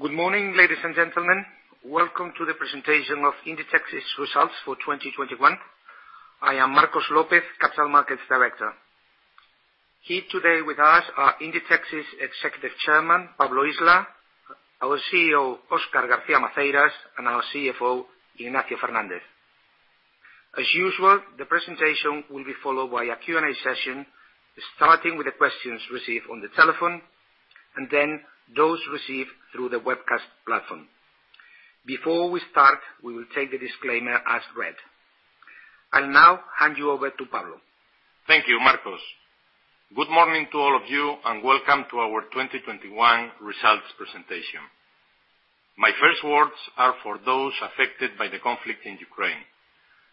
Good morning, ladies and gentlemen. Welcome to the presentation of Inditex's results for 2021. I am Marcos López, Capital Markets Director. Here today with us are Inditex's Executive Chairman, Pablo Isla; our CEO, Óscar García Maceiras; and our CFO, Ignacio Fernández. As usual, the presentation will be followed by a Q&A session, starting with the questions received on the telephone and then those received through the webcast platform. Before we start, we will take the disclaimer as read. I'll now hand you over to Pablo. Thank you, Marcos. Good morning to all of you, and welcome to our 2021 results presentation. My first words are for those affected by the conflict in Ukraine.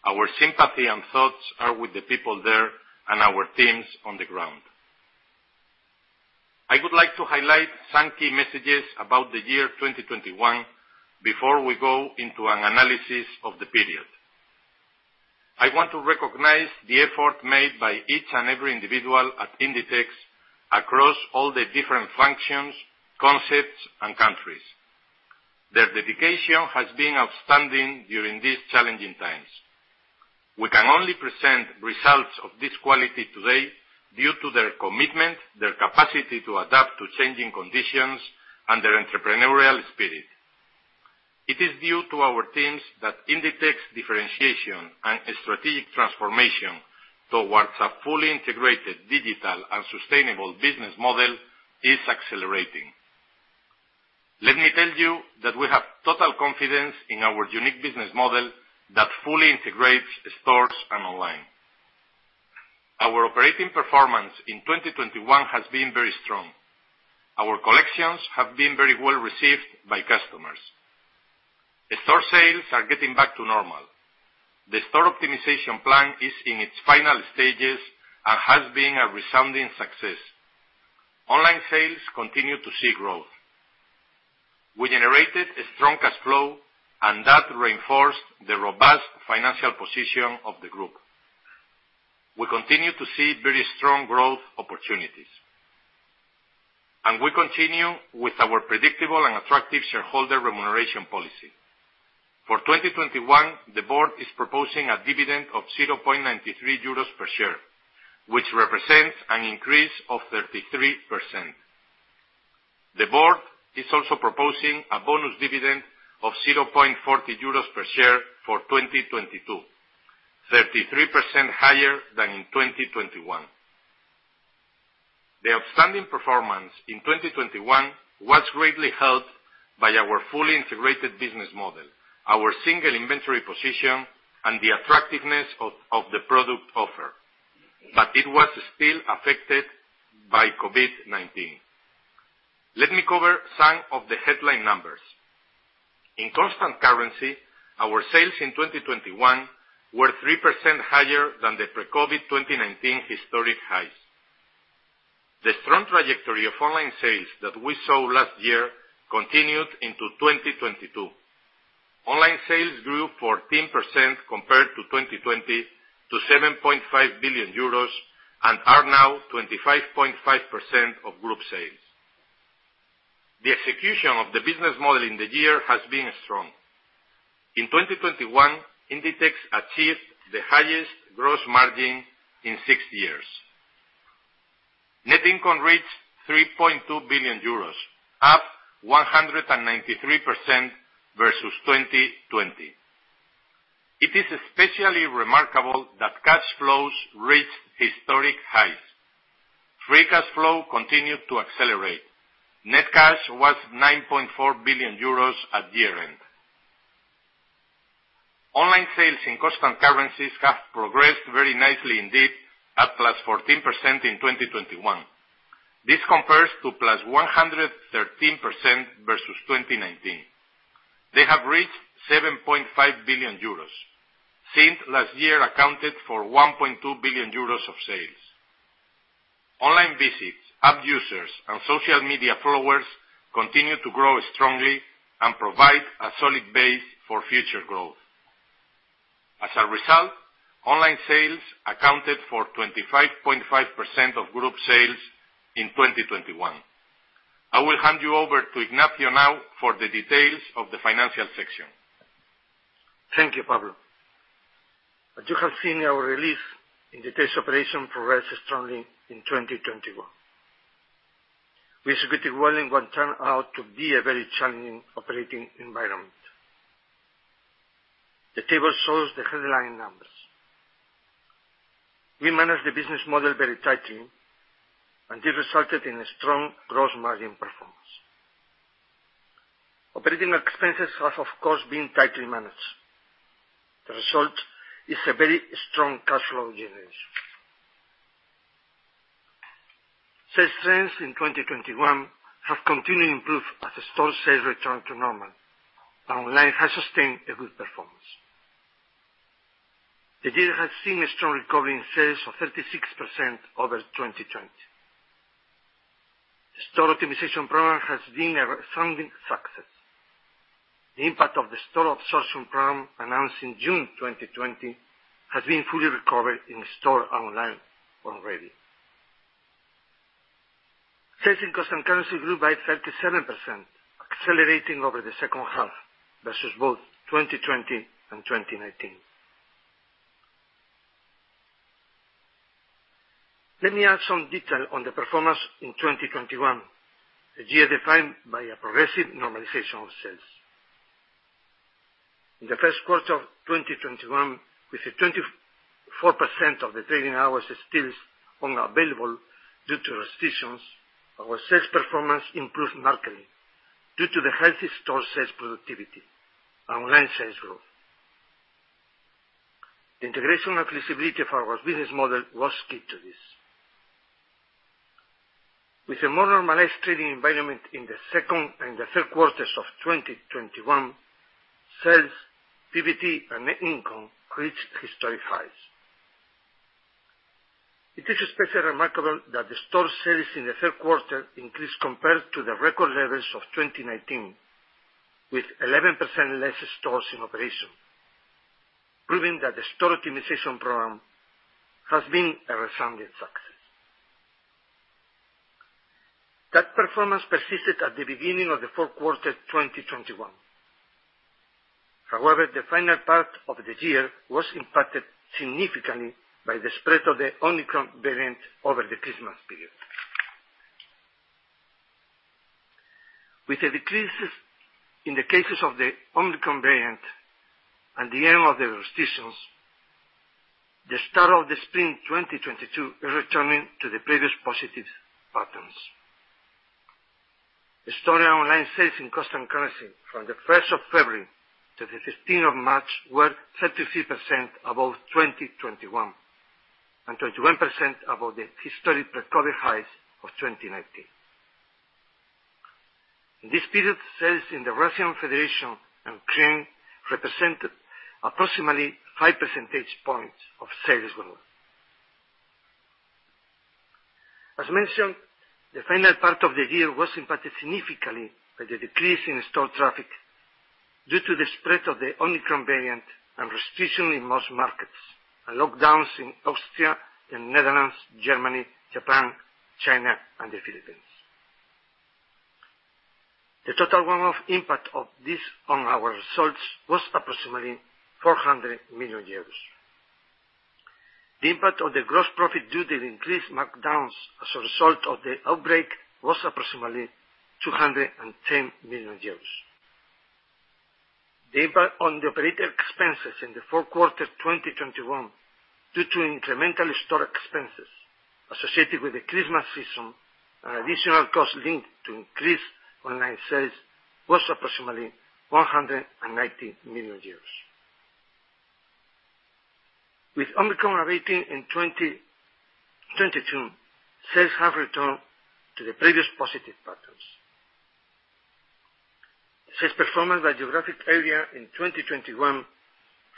Our sympathy and thoughts are with the people there and our teams on the ground. I would like to highlight some key messages about the year 2021 before we go into an analysis of the period. I want to recognize the effort made by each and every individual at Inditex across all the different functions, concepts, and countries. Their dedication has been outstanding during these challenging times. We can only present results of this quality today due to their commitment, their capacity to adapt to changing conditions, and their entrepreneurial spirit. It is due to our teams that Inditex differentiation and strategic transformation towards a fully integrated digital and sustainable business model is accelerating. Let me tell you that we have total confidence in our unique business model that fully integrates stores and online. Our operating performance in 2021 has been very strong. Our collections have been very well received by customers. The store sales are getting back to normal. The store optimization plan is in its final stages and has been a resounding success. Online sales continue to see growth. We generated a strong cash flow, and that reinforced the robust financial position of the group. We continue to see very strong growth opportunities, and we continue with our predictable and attractive shareholder remuneration policy. For 2021, the board is proposing a dividend of 0.93 euros per share, which represents an increase of 33%. The board is also proposing a bonus dividend of 0.40 euros per share for 2022, 33% higher than in 2021. The outstanding performance in 2021 was greatly helped by our fully integrated business model, our single inventory position, and the attractiveness of the product offer. It was still affected by COVID-19. Let me cover some of the headline numbers. In constant currency, our sales in 2021 were 3% higher than the pre-COVID 2019 historic highs. The strong trajectory of online sales that we saw last year continued into 2022. Online sales grew 14% compared to 2021 to 7.5 billion euros and are now 25.5% of group sales. The execution of the business model in the year has been strong. In 2021, Inditex achieved the highest gross margin in six years. Net income reached 3.2 billion euros, up 193% versus 2020. It is especially remarkable that cash flows reached historic highs. Free cash flow continued to accelerate. Net cash was 9.4 billion euros at year-end. Online sales in constant currencies have progressed very nicely indeed, at +14% in 2021. This compares to +113% versus 2019. They have reached 7.5 billion euros. Since last year accounted for 1.2 billion euros of sales. Online visits, app users, and social media followers continue to grow strongly and provide a solid base for future growth. As a result, online sales accounted for 25.5% of group sales in 2021. I will hand you over to Ignacio now for the details of the financial section. Thank you, Pablo. As you have seen our release, Inditex operations progressed strongly in 2021. We executed well in what turned out to be a very challenging operating environment. The table shows the headline numbers. We managed the business model very tightly, and this resulted in a strong gross margin performance. Operating expenses have, of course, been tightly managed. The result is a very strong cash flow generation. Sales trends in 2021 have continued to improve as store sales return to normal, and online has sustained a good performance. The year has seen a strong recovery in sales of 36% over 2020. Store optimization program has been a resounding success. The impact of the store absorption program announced in June 2020 has been fully recovered in store online already. Sales in constant currency grew by 37%, accelerating over the second half versus both 2020 and 2019. Let me add some detail on the performance in 2021, a year defined by a progressive normalization of sales. In the first quarter of 2021, with 24% of the trading hours still unavailable due to restrictions, our sales performance improved markedly due to the healthy store sales productivity and online sales growth. Integration and flexibility of our business model was key to this. With a more normalized trading environment in the second and third quarters of 2021, sales, PBT, and net income reached historic highs. It is especially remarkable that the store sales in the third quarter increased compared to the record levels of 2019, with 11% less stores in operation, proving that the store optimization program has been a resounding success. That performance persisted at the beginning of the fourth quarter 2021. However, the final part of the year was impacted significantly by the spread of the Omicron variant over the Christmas period. With the decreases in the cases of the Omicron variant and the end of the restrictions, the start of the spring 2022 is returning to the previous positive patterns. The store and online sales in constant currency from the 1st of February to the 15th of March were 33% above 2021 and 21% above the historic pre-COVID highs of 2019. In this period, sales in the Russian Federation and Ukraine represented approximately 5 percentage points of sales growth. As mentioned, the final part of the year was impacted significantly by the decrease in store traffic due to the spread of the Omicron variant and restrictions in most markets, and lockdowns in Austria, the Netherlands, Germany, Japan, China, and the Philippines. The total one-off impact of this on our results was approximately 400 million euros. The impact of the gross profit due to the increased markdowns as a result of the outbreak was approximately 210 million euros. The impact on the operating expenses in the fourth quarter 2021 due to incremental historical expenses associated with the Christmas season and additional costs linked to increased online sales was approximately 190 million euros. With Omicron abating in 2022, sales have returned to the previous positive patterns. Sales performance by geographic area in 2021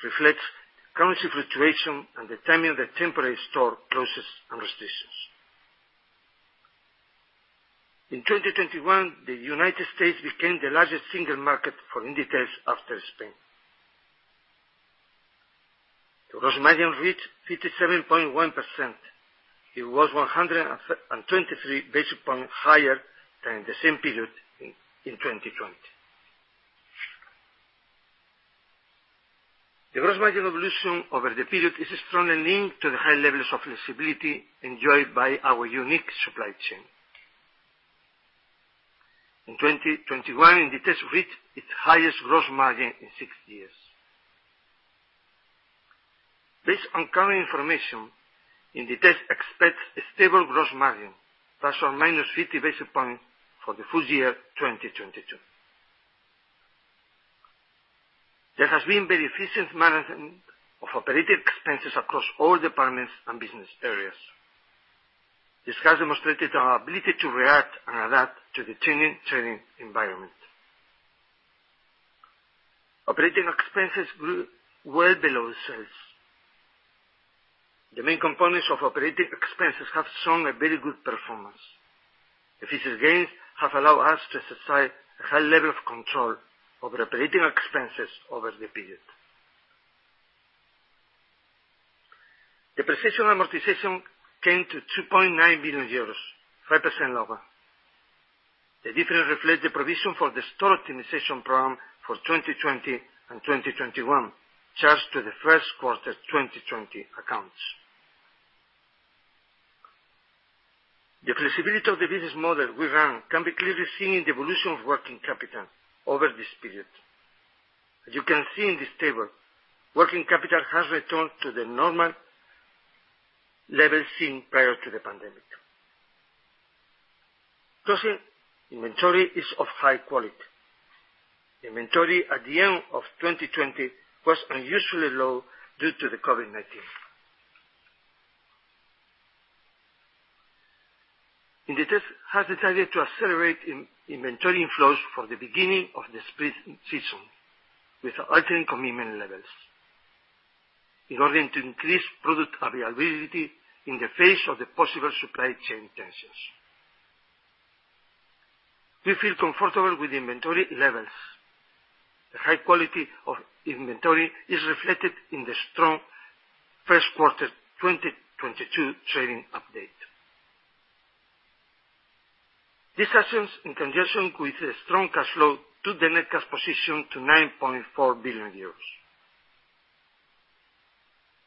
reflects currency fluctuation and the timing of the temporary store closures and restrictions. In 2021, the United States became the largest single market for Inditex after Spain. The gross margin reached 57.1%. It was 123 basis points higher than the same period in 2020. The gross margin evolution over the period is strongly linked to the high levels of flexibility enjoyed by our unique supply chain. In 2021, Inditex reached its highest gross margin in six years. Based on current information, Inditex expects a stable gross margin, ±50 basis points for the full year 2022. There has been very efficient management of operating expenses across all departments and business areas. This has demonstrated our ability to react and adapt to the changing environment. Operating expenses grew well below sales. The main components of operating expenses have shown a very good performance. Efficient gains have allowed us to exercise a high level of control over operating expenses over the period. Depreciation and amortization came to 2.9 billion euros, 5% lower. The difference reflects the provision for the store optimization program for 2020 and 2021, charged to the first quarter 2020 accounts. The flexibility of the business model we run can be clearly seen in the evolution of working capital over this period. As you can see in this table, working capital has returned to the normal level seen prior to the pandemic. Closing inventory is of high quality. Inventory at the end of 2020 was unusually low due to the COVID-19. Inditex has decided to accelerate inventory inflows from the beginning of the spring season with altered commitment levels. In order to increase product availability in the face of the possible supply chain tensions. We feel comfortable with inventory levels. The high quality of inventory is reflected in the strong first quarter 2022 trading update. The cushion in conjunction with the strong cash flow to the net cash position of 9.4 billion euros.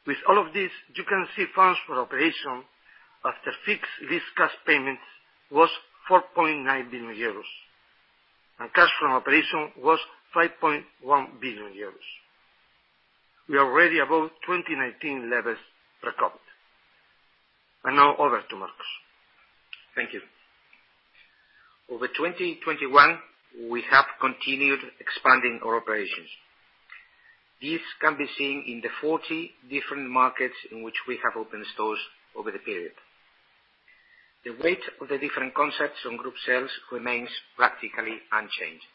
With all of this, you can see free cash flow after CapEx cash payments was 4.9 billion euros, and cash from operations was 5.1 billion euros. We are already above 2019 levels pre-COVID. Now, over to Marcos. Thank you. Over 2021, we have continued expanding our operations. This can be seen in the 40 different markets in which we have opened stores over the period. The weight of the different concepts on group sales remains practically unchanged.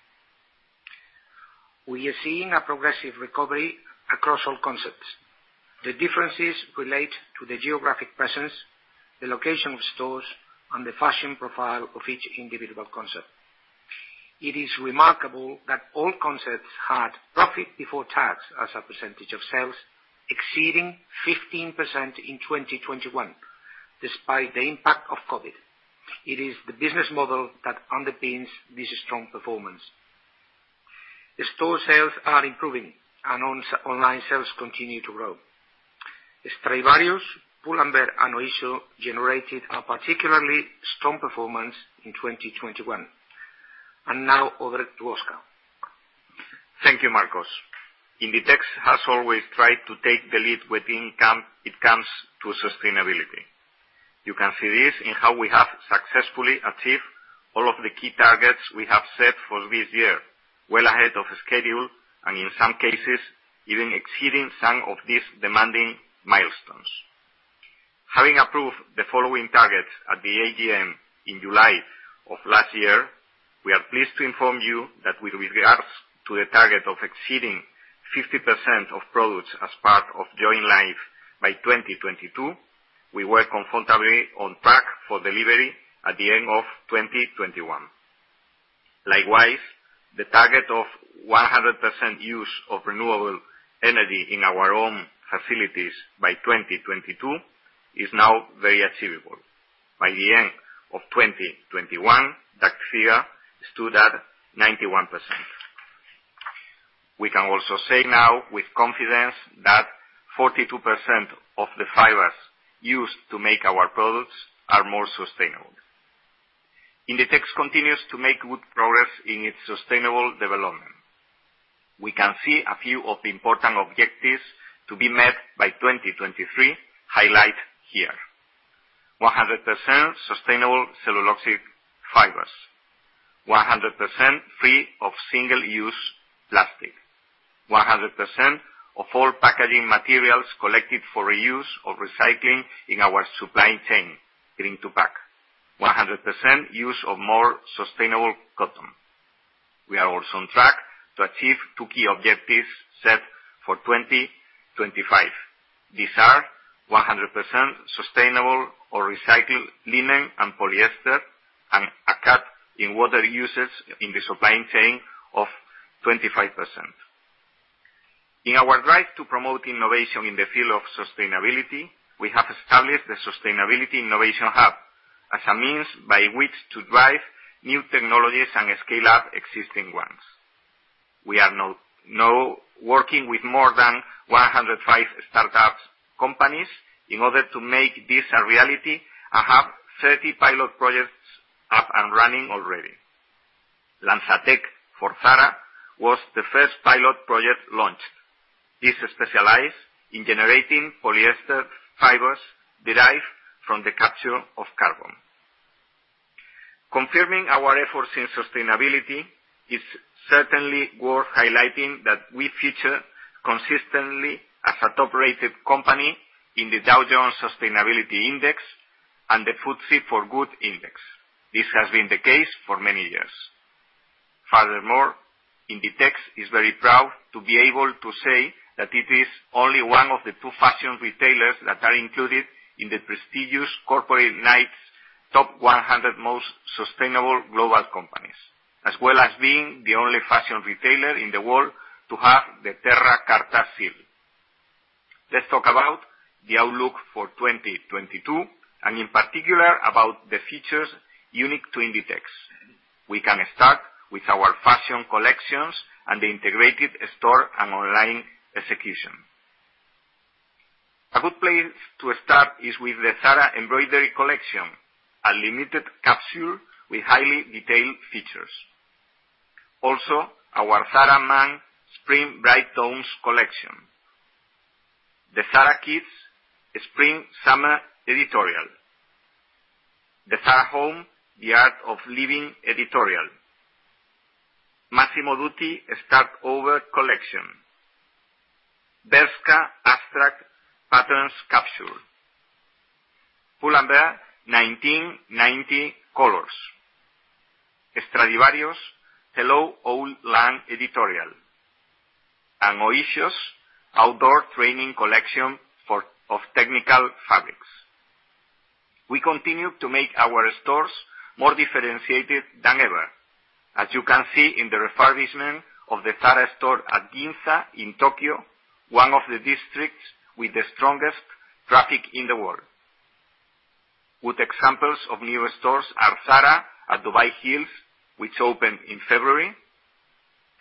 We are seeing a progressive recovery across all concepts. The differences relate to the geographic presence, the location of stores, and the fashion profile of each individual concept. It is remarkable that all concepts had profit before tax as a percentage of sales exceeding 15% in 2021, despite the impact of COVID-19. It is the business model that underpins this strong performance. The store sales are improving and online sales continue to grow, as Stradivarius, Pull&Bear, and Oysho generated a particularly strong performance in 2021. Now, over to Óscar. Thank you, Marcos. Inditex has always tried to take the lead when it comes to sustainability. You can see this in how we have successfully achieved all of the key targets we have set for this year, well ahead of schedule, and in some cases, even exceeding some of these demanding milestones. Having approved the following targets at the AGM in July of last year, we are pleased to inform you that with regards to the target of exceeding 50% of products as part of Join Life by 2022, we were comfortably on track for delivery at the end of 2021. Likewise, the target of 100% use of renewable energy in our own facilities by 2022 is now very achievable. By the end of 2021, that figure stood at 91%. We can also say now with confidence that 42% of the fibers used to make our products are more sustainable. Inditex continues to make good progress in its sustainable development. We can see a few of the important objectives to be met by 2023 highlighted here: 100% sustainable cellulosic fibers; 100% free of single-use plastic; 100% of all packaging materials collected for reuse or recycling in our supply chain Green to Pack; 100% use of more sustainable cotton. We are also on track to achieve two key objectives set for 2025. These are, 100% sustainable or recycled linen and polyester, and a cut in water usage in the supply chain of 25%. In our drive to promote innovation in the field of sustainability, we have established the Sustainability Innovation Hub as a means by which to drive new technologies and scale up existing ones. We are now working with more than 105 startup companies in order to make this a reality, and have 30 pilot projects up and running already. LanzaTech for Zara was the first pilot project launched. This specialize in generating polyester fibers derived from the capture of carbon. Confirming our efforts in sustainability, it's certainly worth highlighting that we feature consistently as a top-rated company in the Dow Jones Sustainability Index and the FTSE4Good Index. This has been the case for many years. Furthermore, Inditex is very proud to be able to say that it is only one of the two fashion retailers that are included in the prestigious Corporate Knights Top 100 Most Sustainable Global Companies, as well as being the only fashion retailer in the world to have the Terra Carta Seal. Let's talk about the outlook for 2022, and in particular, about the features unique to Inditex. We can start with our fashion collections and the integrated store and online execution. A good place to start is with the Zara Embroidery collection, a limited capsule with highly detailed features; also, our Zara Man Spring Bright Tones collection; the Zara Kids Spring/Summer editorial; the Zara Home The Art of Living editorial; Massimo Dutti Start Over collection; Bershka Abstract Patterns capsule; Pull&Bear 1990 colors; Stradivarius Hello Old Land editorial; Oysho's outdoor training collection of technical fabrics. We continue to make our stores more differentiated than ever, as you can see in the refurbishment of the Zara store at Ginza in Tokyo, one of the districts with the strongest traffic in the world. Good examples of new stores are Zara at Dubai Hills, which opened in February,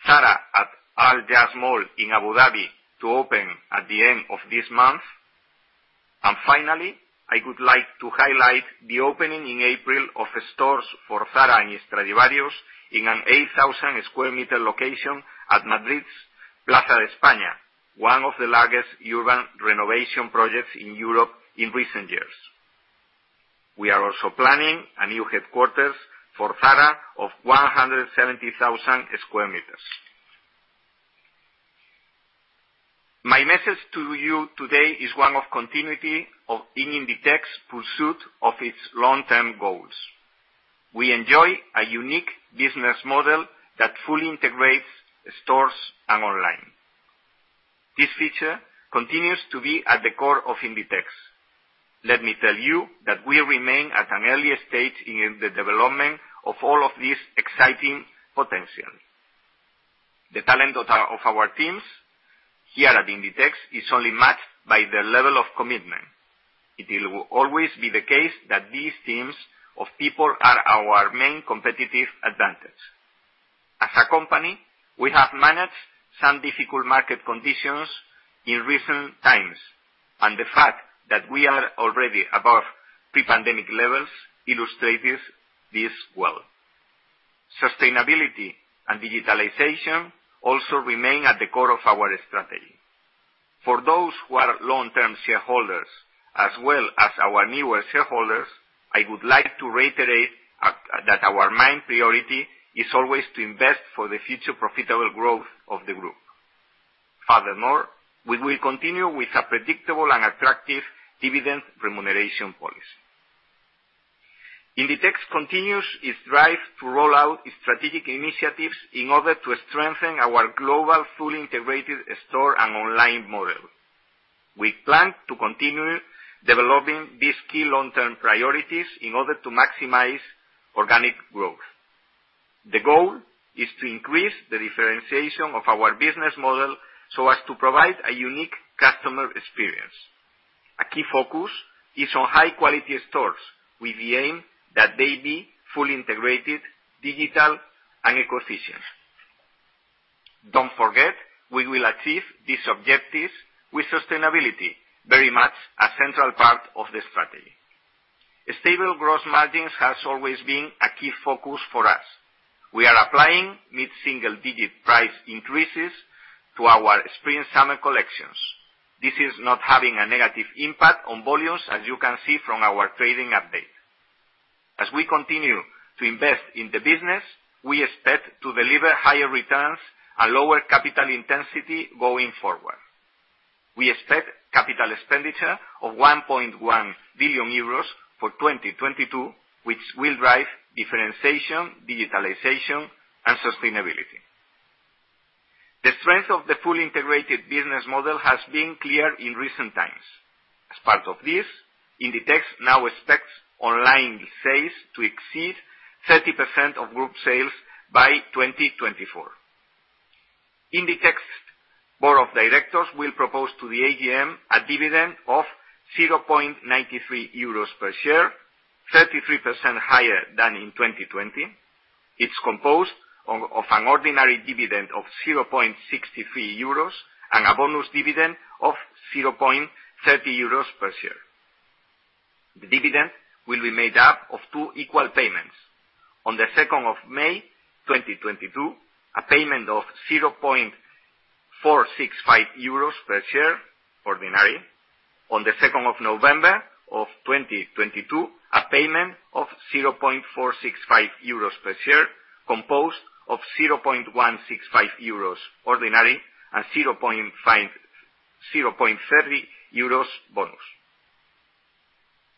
Zara at Yas Mall in Abu Dhabi, to open at the end of this month. Finally, I would like to highlight the opening in April of stores for Zara and Stradivarius in an 8,000 sq m location at Madrid's Plaza de España, one of the largest urban renovation projects in Europe in recent years. We are also planning a new headquarters for Zara of 170,000 sq m. My message to you today is one of continuity of Inditex's pursuit of its long-term goals. We enjoy a unique business model that fully integrates stores and online. This feature continues to be at the core of Inditex. Let me tell you that we remain at an early stage in the development of all of this exciting potential. The talent of our teams here at Inditex is only matched by their level of commitment. It will always be the case that these teams of people are our main competitive advantage. As a company, we have managed some difficult market conditions in recent times, and the fact that we are already above pre-pandemic levels illustrates this well. Sustainability and digitalization also remain at the core of our strategy. For those who are long-term shareholders, as well as our newer shareholders, I would like to reiterate that our main priority is always to invest for the future profitable growth of the group. Furthermore, we will continue with a predictable and attractive dividend remuneration policy. Inditex continues its drive to roll out strategic initiatives in order to strengthen our global fully integrated store and online model. We plan to continue developing these key long-term priorities in order to maximize organic growth. The goal is to increase the differentiation of our business model so as to provide a unique customer experience. A key focus is on high-quality stores with the aim that they be fully integrated, digital, and efficient. Don't forget, we will achieve these objectives with sustainability very much a central part of the strategy. Stable gross margins has always been a key focus for us. We are applying mid-single-digit price increases to our spring/summer collections. This is not having a negative impact on volumes, as you can see from our trading update. As we continue to invest in the business, we expect to deliver higher returns and lower capital intensity going forward. We expect capital expenditure of 1.1 billion euros for 2022, which will drive differentiation, digitalization, and sustainability. The strength of the fully integrated business model has been clear in recent times. As part of this, Inditex now expects online sales to exceed 30% of group sales by 2024. Inditex board of directors will propose to the AGM a dividend of 0.93 euros per share, 33% higher than in 2020. It's composed of an ordinary dividend of 0.63 euros and a bonus dividend of 0.30 euros per share. The dividend will be made up of two equal payments. On the 2nd of May 2022, a payment of 0.465 euros per share ordinary. On the 2nd of November of 2022, a payment of 0.465 euros per share, composed of 0.165 euros ordinary and 0.30 euros bonus.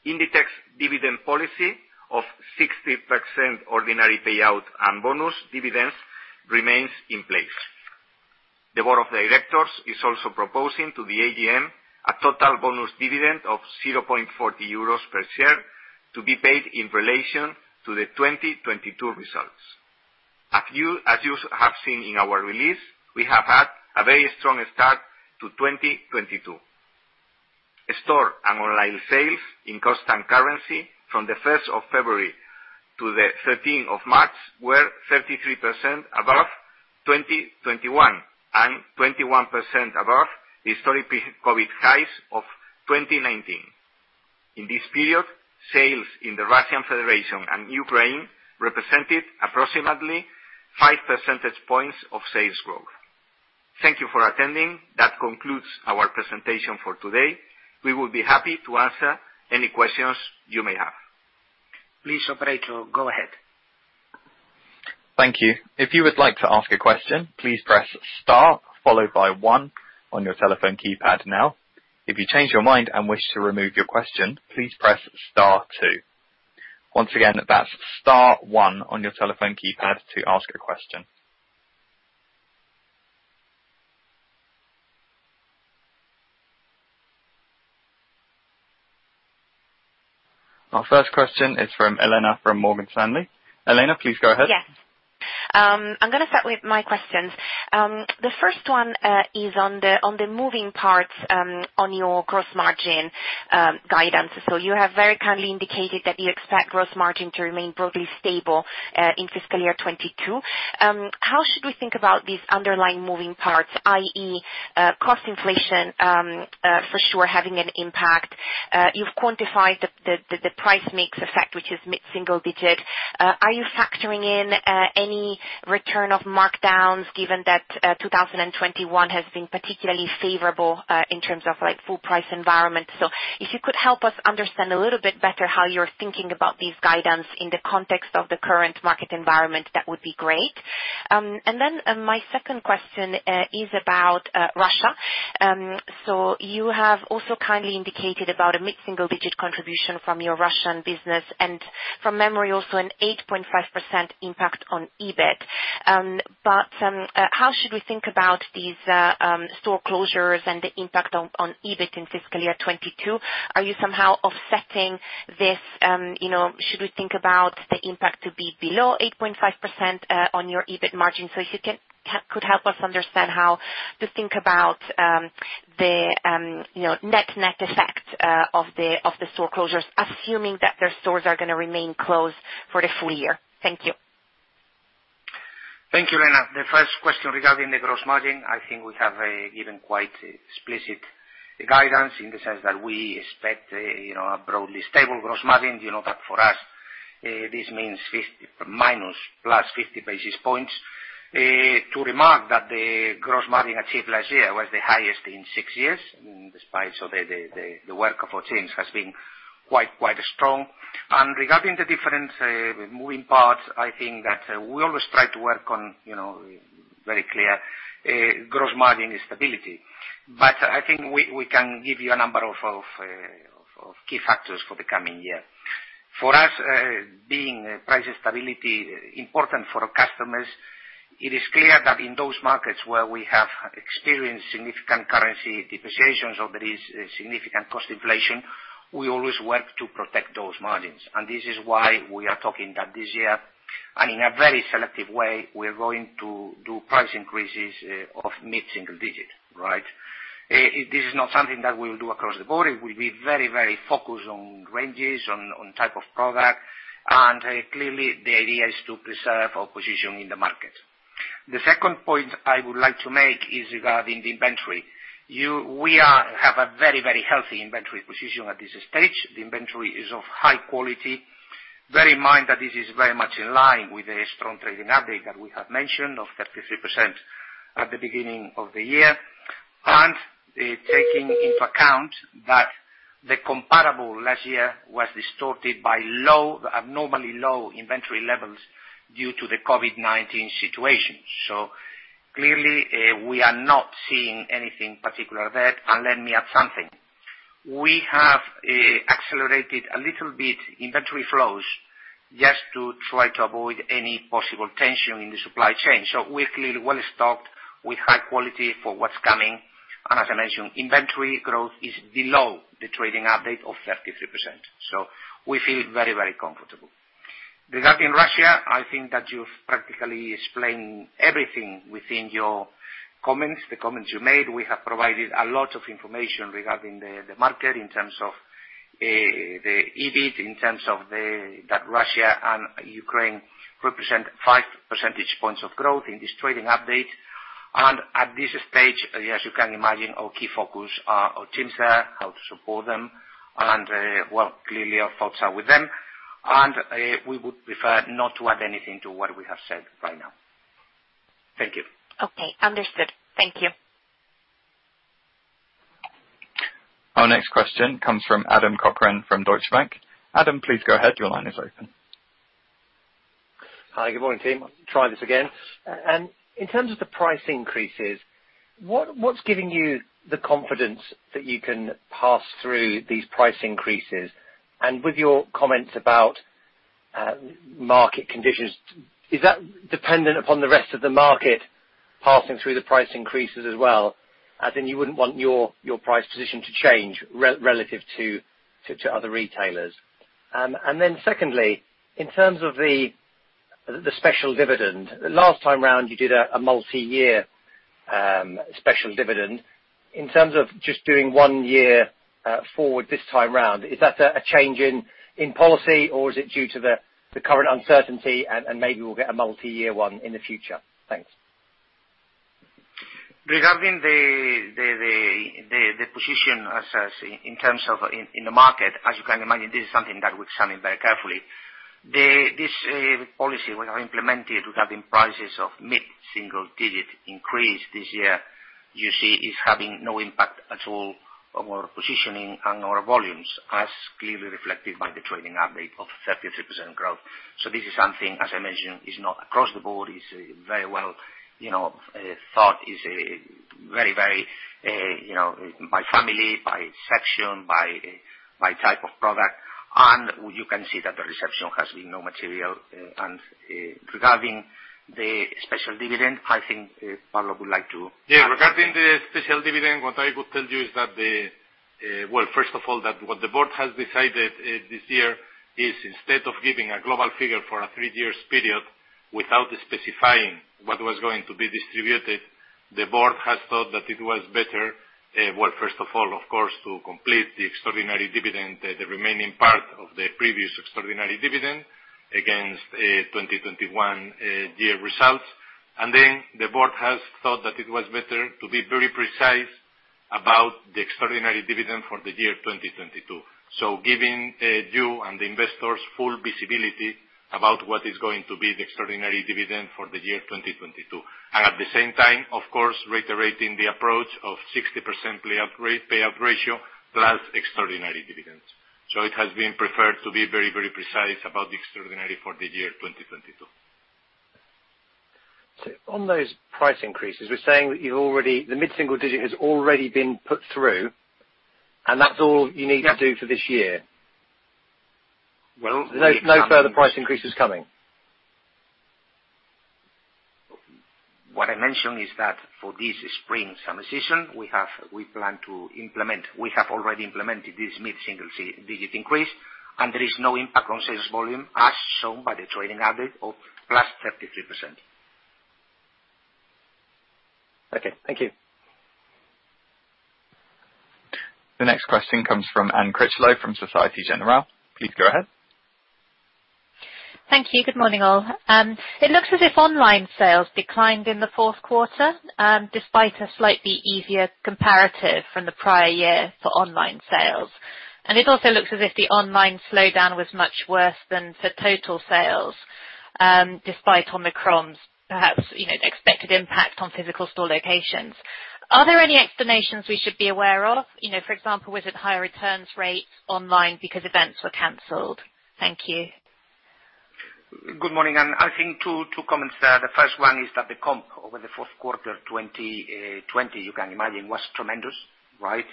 Inditex dividend policy of 60% ordinary payout and bonus dividends remains in place. The board of directors is also proposing to the AGM a total bonus dividend of 0.40 euros per share to be paid in relation to the 2022 results. As you have seen in our release, we have had a very strong start to 2022. Store and online sales in constant currency from February 1 to March 13 were 33% above 2021, and 21% above historic pre-COVID highs of 2019. In this period, sales in the Russian Federation and Ukraine represented approximately 5 percentage points of sales growth. Thank you for attending. That concludes our presentation for today. We will be happy to answer any questions you may have. Please, operator, go ahead. Thank you. If you would like to ask a question, please press star followed by one on your telephone keypad now. If you change your mind and wish to remove your question, please press star two. Once again, that's star one on your telephone keypad to ask a question. Our first question is from Elena from Morgan Stanley. Elena, please go ahead. Yes. I'm gonna start with my questions. The first one is on the moving parts on your gross margin guidance. You have very kindly indicated that you expect gross margin to remain broadly stable in fiscal year 2022. How should we think about these underlying moving parts, i.e., cost inflation for sure having an impact? You've quantified the price mix effect, which is mid-single-digits. Are you factoring in any return of markdowns given that 2021 has been particularly favorable in terms of, like, full price environment? If you could help us understand a little bit better how you're thinking about this guidance in the context of the current market environment, that would be great. My second question is about Russia. You have also kindly indicated about a mid-single-digit contribution from your Russian business and, from memory, also an 8.5% impact on EBIT. How should we think about these store closures and the impact on EBIT in fiscal year 2022? Are you somehow offsetting this? You know, should we think about the impact to be below 8.5% on your EBIT margin? If you can help us understand how to think about the net effect of the store closures, assuming that their stores are gonna remain closed for the full year. Thank you. Thank you, Elena. The first question regarding the gross margin, I think we have given quite explicit guidance in the sense that we expect, you know, a broadly stable gross margin. You know that for us, this means ±50 basis points. To remark that the gross margin achieved last year was the highest in six years, despite the work of our teams has been quite strong. Regarding the different moving parts, I think that we always try to work on, you know, very clear gross margin stability. I think we can give you a number of key factors for the coming year. For us, being price stability important for our customers, it is clear that in those markets where we have experienced significant currency depreciations or there is significant cost inflation, we always work to protect those margins. This is why we are talking that this year, and in a very selective way, we're going to do price increases of mid-single-digit, right? This is not something that we will do across the board. It will be very, very focused on ranges, on type of product. Clearly the idea is to preserve our position in the market. The second point I would like to make is regarding the inventory. We have a very, very healthy inventory position at this stage. The inventory is of high quality. Bear in mind that this is very much in line with the strong trading update that we have mentioned of 33% at the beginning of the year. Taking into account that the comparable last year was distorted by abnormally low inventory levels due to the COVID-19 situation. Clearly, we are not seeing anything particular there. Let me add something. We have accelerated a little bit inventory flows just to try to avoid any possible tension in the supply chain. We're clearly well-stocked with high quality for what's coming. As I mentioned, inventory growth is below the trading update of 33%. We feel very, very comfortable. Regarding Russia, I think that you've practically explained everything within your comments, the comments you made. We have provided a lot of information regarding the market in terms of the EBIT, that Russia and Ukraine represent 5 percentage points of growth in this trading update. At this stage, as you can imagine, our key focus, our teams there, how to support them and, well, clearly our thoughts are with them. We would prefer not to add anything to what we have said right now. Thank you. Okay, understood. Thank you. Our next question comes from Adam Cochrane from Deutsche Bank. Adam, please go ahead. Your line is open. In terms of the price increases, what's giving you the confidence that you can pass through these price increases? With your comments about market conditions, is that dependent upon the rest of the market passing through the price increases as well, as in you wouldn't want your price position to change relative to other retailers? Secondly, in terms of the special dividend, last time round you did a multiyear special dividend. In terms of just doing one year forward this time round, is that a change in policy or is it due to the current uncertainty and maybe we'll get a multi-year one in the future? Thanks. Regarding the position as in terms of in the market, as you can imagine, this is something that we examine very carefully. This policy we have implemented regarding prices of mid-single-digit increase this year, you see is having no impact at all on our positioning and our volumes, as clearly reflected by the trading update of 33% growth. This is something, as I mentioned, is not across the board. It's very well, you know, thought. It's very, very, you know, by family, by section, by type of product. You can see that the reception has been non-material. Regarding the special dividend, I think Pablo would like to- Yeah. Regarding the special dividend, what I could tell you is that well, first of all, what the board has decided this year is, instead of giving a global figure for a three years period without specifying what was going to be distributed, the board has thought that it was better, well, first of all, of course, to complete the extraordinary dividend, the remaining part of the previous extraordinary dividend against 2021 year results. The board has thought that it was better to be very precise about the extraordinary dividend for the year 2022. Giving you and the investors full visibility about what is going to be the extraordinary dividend for the year 2022. At the same time, of course, reiterating the approach of 60% payout ratio, plus extraordinary dividends. It has been preferred to be very, very precise about the extraordinary for the year 2022. On those price increases, we're saying that the mid-single-digit has already been put through, and that's all you need to do for this year? No, no further price increases coming? What I mentioned is that for this spring-summer season, we have already implemented this mid-single-digit increase, and there is no impact on sales volume, as shown by the trading average of +33%. Okay. Thank you. The next question comes from Anne Critchlow from Société Générale. Please go ahead. Thank you. Good morning, all. It looks as if online sales declined in the fourth quarter, despite a slightly easier comparative from the prior year for online sales. It also looks as if the online slowdown was much worse than for total sales, despite Omicron's perhaps, you know, expected impact on physical store locations. Are there any explanations we should be aware of? You know, for example, was it higher returns rates online because events were canceled? Thank you. Good morning. I think two comments there. The first one is that the comp over the fourth quarter 2020, you can imagine, was tremendous, right?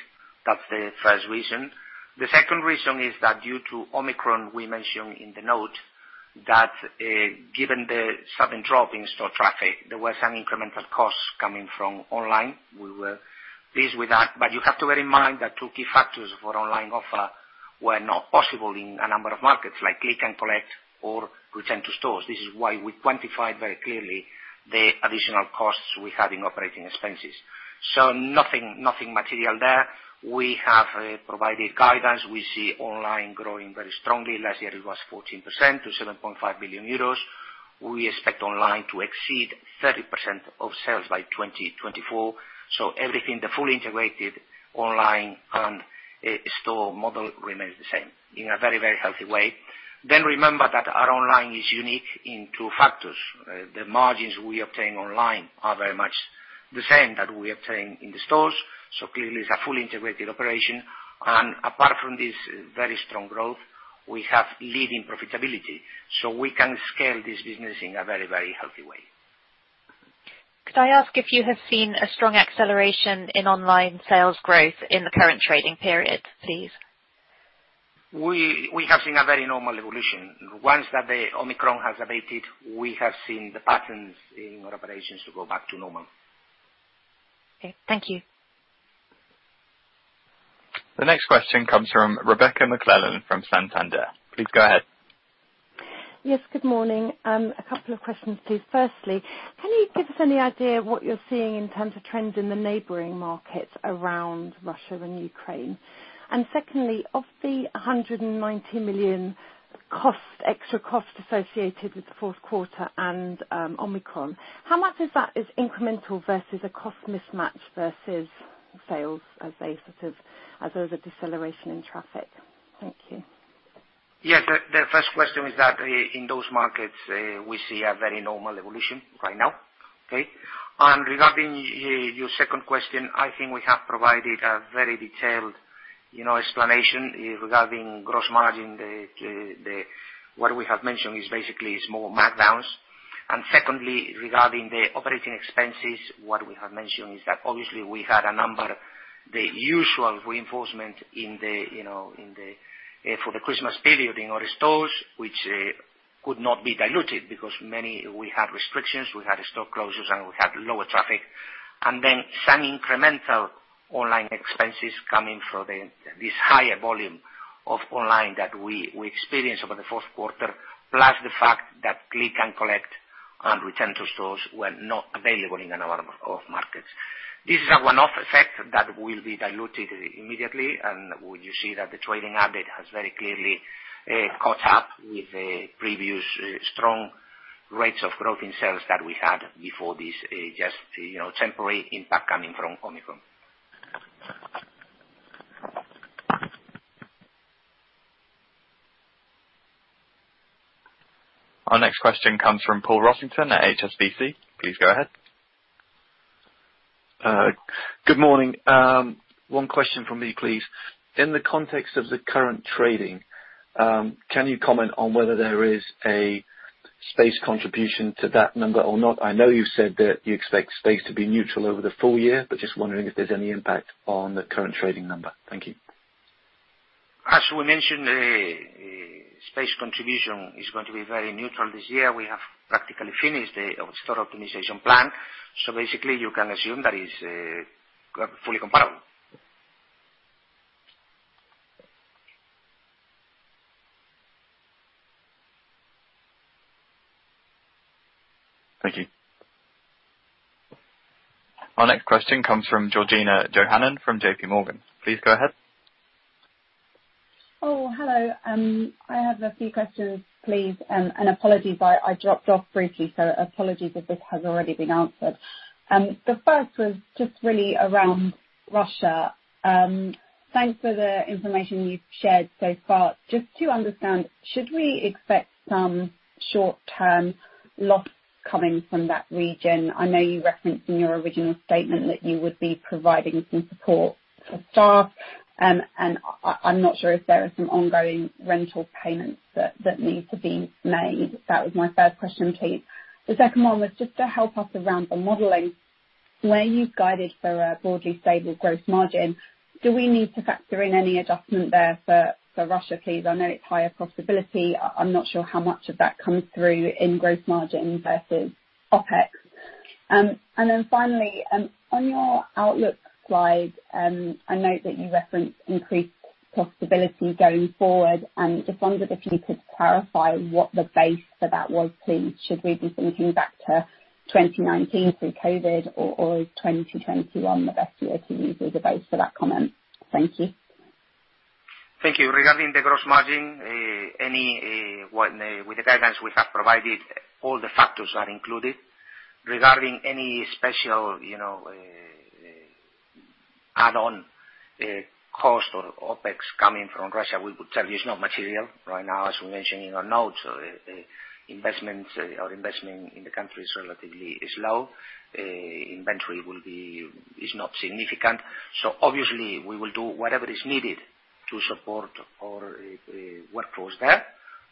That's the first reason. The second reason is that due to Omicron, we mentioned in the note that, given the sudden drop in store traffic, there was some incremental costs coming from online. We were pleased with that. You have to bear in mind that two key factors for online offer were not possible in a number of markets, like click and collect or return to stores. This is why we quantified very clearly the additional costs we had in operating expenses. Nothing material there. We have provided guidance. We see online growing very strongly. Last year it was 14% to 7.5 billion euros. We expect online to exceed 30% of sales by 2024. Everything, the fully integrated online and store model remains the same in a very, very healthy way. Remember that our online is unique in two factors. The margins we obtain online are very much the same that we obtain in the stores. Clearly, it's a fully integrated operation. Apart from this very strong growth, we have leading profitability. We can scale this business in a very, very healthy way. Could I ask if you have seen a strong acceleration in online sales growth in the current trading period, please? We have seen a very normal evolution. Once that the Omicron has abated, we have seen the patterns in our operations to go back to normal. Okay. Thank you. The next question comes from Rebecca McClellan from Santander. Please go ahead. Yes, good morning. A couple of questions, please. Firstly, can you give us any idea of what you're seeing in terms of trends in the neighboring markets around Russia and Ukraine? Secondly, of the 190 million extra cost associated with the fourth quarter and Omicron, how much of that is incremental versus a cost mismatch versus sales as there's a deceleration in traffic? Thank you. Yes. The first question is that in those markets we see a very normal evolution right now. Okay? Regarding your second question, I think we have provided a very detailed explanation regarding gross margin. What we have mentioned is basically small markdowns. Secondly, regarding the operating expenses, what we have mentioned is that obviously we had a number of the usual reinforcement in the stores for the Christmas period in our stores, which could not be diluted because we had many restrictions, we had store closures and we had lower traffic. Some incremental online expenses coming from this higher volume of online that we experienced over the fourth quarter, plus the fact that click and collect and return to stores were not available in a number of markets. This is a one-off effect that will be diluted immediately. You see that the trading update has very clearly caught up with the previous strong rates of growth in sales that we had before this just you know temporary impact coming from Omicron. Our next question comes from Paul Rossington at HSBC. Please go ahead. Good morning. One question from me, please. In the context of the current trading, can you comment on whether there is space contribution to that number or not? I know you said that you expect space to be neutral over the full year, but just wondering if there's any impact on the current trading number. Thank you. As we mentioned, space contribution is going to be very neutral this year. We have practically finished the store optimization plan. Basically you can assume that is fully comparable. Thank you. Our next question comes from Georgina Johanan from JP Morgan. Please go ahead. Oh, hello. I have a few questions, please. Apologies, I dropped off briefly, so apologies if this has already been answered. The first was just really around Russia. Thanks for the information you've shared so far. Just to understand, should we expect some short-term loss coming from that region? I know you referenced in your original statement that you would be providing some support for staff. I'm not sure if there are some ongoing rental payments that need to be made. That was my first question, please. The second one was just to help us around the modeling. Where you've guided for a broadly stable growth margin, do we need to factor in any adjustment there for Russia, please? I know it's higher profitability. I'm not sure how much of that comes through in growth margin versus OpEx. Finally, on your outlook slide, I note that you referenced increased profitability going forward. Just wondered if you could clarify what the base for that was, please. Should we be thinking back to 2019 through COVID or 2021, the best year to use as a base for that comment? Thank you. Thank you. Regarding the gross margin, with the guidance we have provided, all the factors are included. Regarding any special, you know, add-on, cost or OpEx coming from Russia, we could tell you it's not material right now. As we mentioned in our notes, our investment in the country is relatively low. Inventory is not significant. So, obviously, we will do whatever is needed to support our workforce there,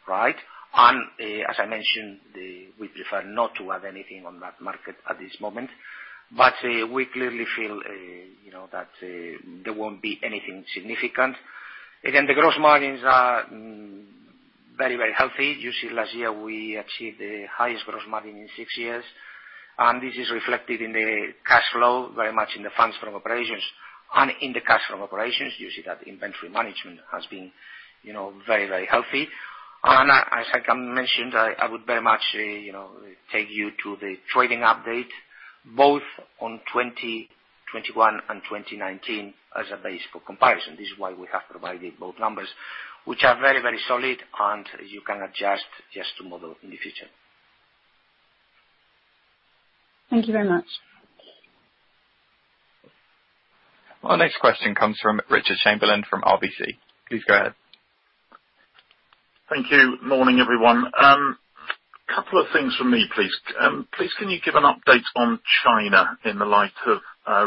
right? As I mentioned, we prefer not to add anything on that market at this moment, but we clearly feel, you know, that there won't be anything significant. Again, the gross margins are very healthy. You see, last year we achieved the highest gross margin in six years, and this is reflected in the cash flow, very much in the funds from operations. In the cash from operations, you see that inventory management has been, you know, very, very healthy. As I mentioned, I would very much, you know, take you to the trading update both on 2021 and 2019 as a base for comparison. This is why we have provided both numbers, which are very, very solid, and you can adjust just to model in the future. Thank you very much. Our next question comes from Richard Chamberlain, from RBC. Please go ahead. Thank you. Morning, everyone. Couple of things from me, please. Please can you give an update on China in the light of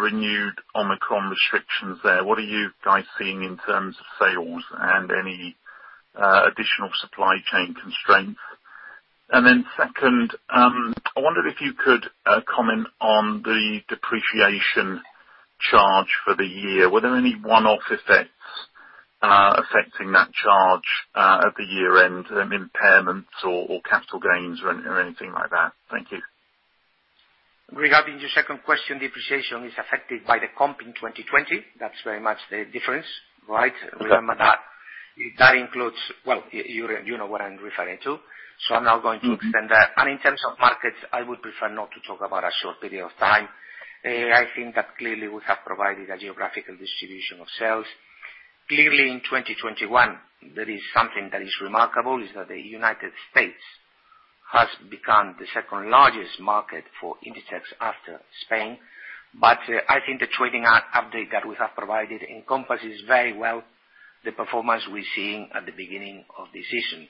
renewed Omicron restrictions there. What are you guys seeing in terms of sales and any additional supply chain constraints? Second, I wonder if you could comment on the depreciation charge for the year. Were there any one-off effects affecting that charge at the year-end, impairments or capital gains or anything like that? Thank you. Regarding your second question, depreciation is affected by the comp in 2020. That's very much the difference, right? Remember that, that includes, well, you know what I'm referring to, so I'm not going to extend that. In terms of markets, I would prefer not to talk about a short period of time. I think that clearly we have provided a geographical distribution of sales. Clearly, in 2021, what is remarkable is that the United States has become the second-largest market for Inditex after Spain. I think the trading update that we have provided encompasses very well the performance we're seeing at the beginning of the season.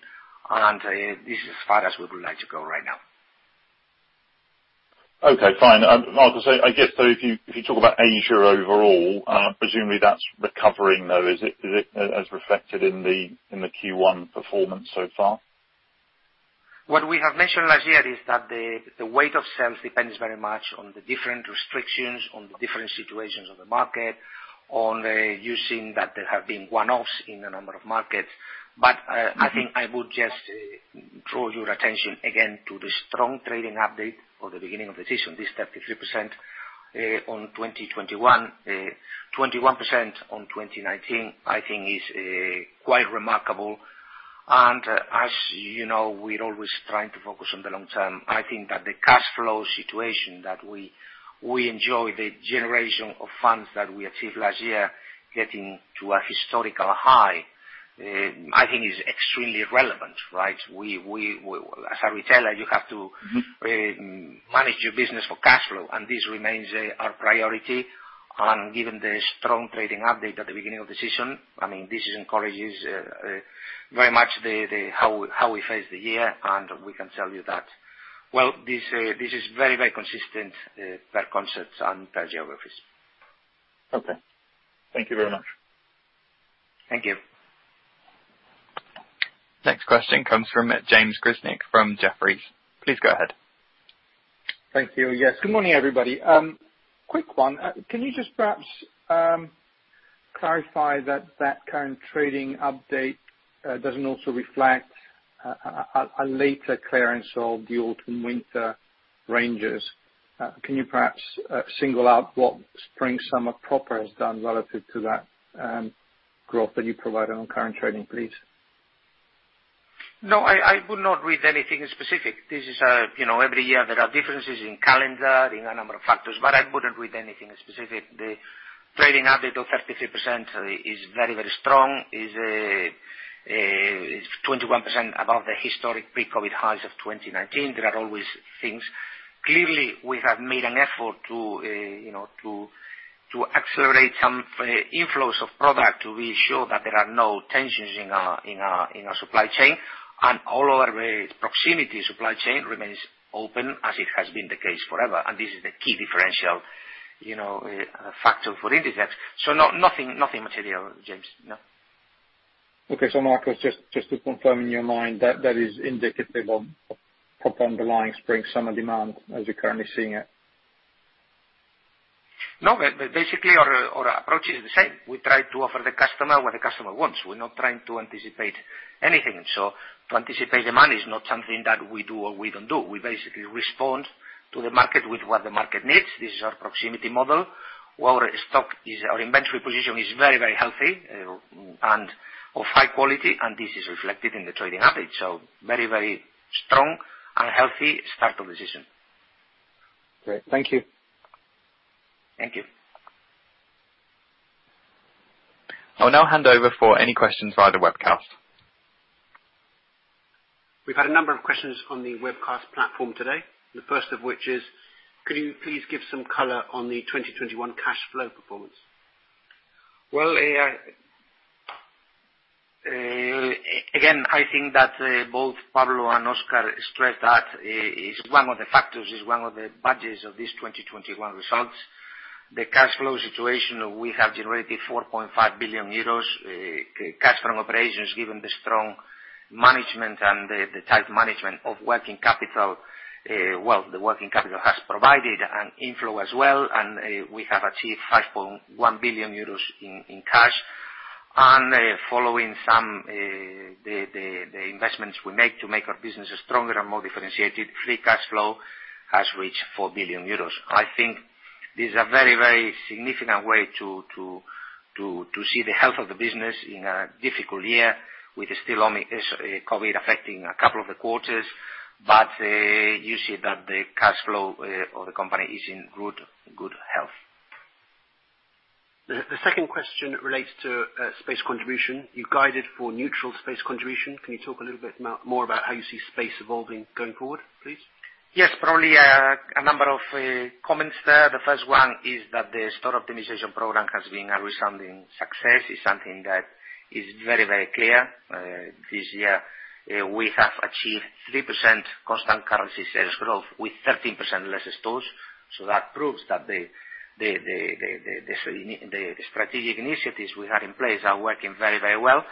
This is as far as we would like to go right now. Okay, fine. Like I say, I guess, though, if you talk about Asia overall, presumably that's recovering though. Is it as reflected in the Q1 performance so far? What we have mentioned last year is that the weight of sales depends very much on the different restrictions, on the different situations of the market, on you seeing that there have been one-offs in a number of markets. I think I would just draw your attention, again, to the strong trading update for the beginning of the season. This 33% on 2021, 21% on 2019, I think is quite remarkable. As you know, we're always trying to focus on the long term. I think that the cash flow situation that we enjoy the generation of funds that we achieved last year, getting to a historical high, I think is extremely relevant, right? We as a retailer, you have to manage your business for cash flow, and this remains our priority. Given the strong trading update at the beginning of the season, I mean, this encourages very much how we face the year, and we can tell you that. Well, this is very consistent per concepts and per geographies. Okay. Thank you very much. Thank you. Next question comes from James Grzinic from Jefferies. Please go ahead. Thank you. Yes. Good morning, everybody. Quick one. Can you just perhaps clarify that that current trading update doesn't also reflect a later clearance of the autumn/winter ranges? Can you perhaps single out what spring/summer proper has done relative to that growth that you provided on current trading, please? No, I would not read anything specific. This is, you know, every year there are differences in calendar, in a number of factors, but I wouldn't read anything specific. The trading update of 33% is very, very strong. It is 21% above the historic pre-COVID highs of 2019. There are always things--clearly, we have made an effort to, you know, to accelerate some inflows of product to ensure that there are no tensions in our supply chain. All of our proximity supply chain remains open as it has been the case forever. This is the key differential, you know, factor for Inditex. Nothing material, James. No. Okay. Marcos, just to confirm in your mind, that is indicative of proper underlying spring/summer demand as you're currently seeing it? No, but basically our approach is the same. We try to offer the customer what the customer wants. We're not trying to anticipate anything. To anticipate demand is not something that we do or we don't do. We basically respond to the market with what the market needs. This is our proximity model. Our inventory position is very, very healthy, and of high quality, and this is reflected in the trading update. Very, very strong and healthy start of the season. Great. Thank you. Thank you. I'll now hand over for any questions via the webcast. We've had a number of questions on the webcast platform today. The first of which is, could you please give some color on the 2021 cash flow performance? Well, again, I think that both Pablo and Óscar stressed that it is one of the factors, it is one of the biggest of this 2021 results. The cash flow situation, we have generated 4.5 billion euros cash from operations, given the strong management and the tight management of working capital. Well, the working capital has provided an inflow as well, and we have achieved 5.1 billion euros in cash. Following some of the investments we make to make our businesses stronger and more differentiated, free cash flow has reached 4 billion euros. I think this is a very significant way to see the health of the business in a difficult year, with still ongoing COVID affecting a couple of the quarters. You see that the cash flow of the company is in good health. The second question relates to space contribution. You guided for neutral space contribution. Can you talk a little bit more about how you see space evolving going forward, please? Yes, probably a number of comments there. The first one is that the store optimization program has been a resounding success. It's something that is very, very clear. This year, we have achieved 3% constant currency sales growth with 13% less stores. That proves that the strategic initiatives we have in place are working very, very well.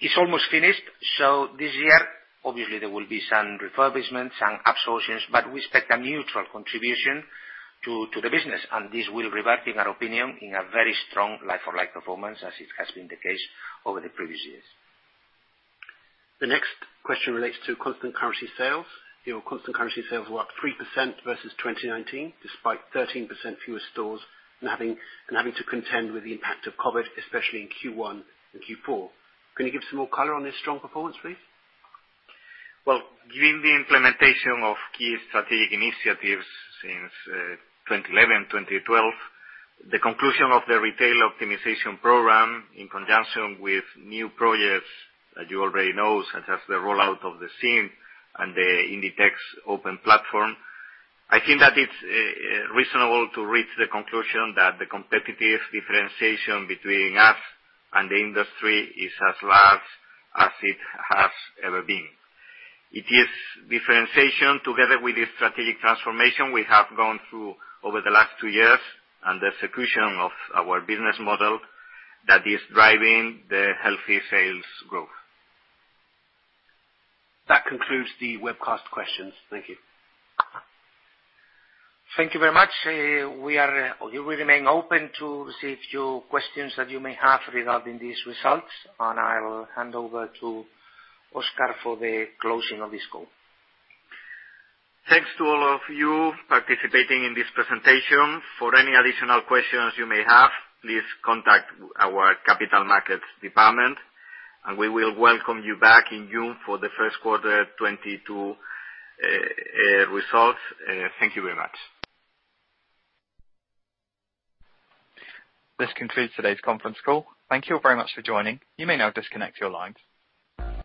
It's almost finished, so this year, obviously there will be some refurbishments, some absorptions, but we expect a neutral contribution to the business, and this will revert, in our opinion, to a very strong like-for-like performance as it has been the case over the previous years. The next question relates to constant currency sales. Your constant currency sales were up 3% versus 2019, despite 13% fewer stores and having to contend with the impact of COVID, especially in Q1 and Q4. Can you give some more color on this strong performance, please? Given the implementation of key strategic initiatives since 2011, 2012, the conclusion of the retail optimization program in conjunction with new projects that you already know, such as the rollout of the SIM and the Inditex Open Platform, I think that it's reasonable to reach the conclusion that the competitive differentiation between us and the industry is as large as it has ever been. It is differentiation together with the strategic transformation we have gone through over the last two years and the execution of our business model that is driving the healthy sales growth. That concludes the webcast questions. Thank you. Thank you very much. We remain open to any questions you may have regarding these results. I will hand over to Óscar for the closing of this call. Thanks to all of you participating in this presentation. For any additional questions you may have, please contact our capital markets department, and we will welcome you back in June for the first quarter 2022 results. Thank you very much. This concludes today's conference call. Thank you very much for joining. You may now disconnect your lines.